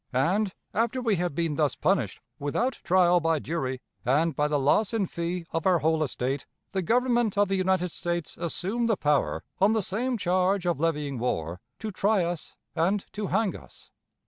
And, after we had been thus punished, without trial by jury, and by the loss in fee of our whole estate, the Government of the United States assumed the power, on the same charge of levying war, to try us and to hang us.